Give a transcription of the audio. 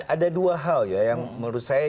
ada dua hal ya yang menurut saya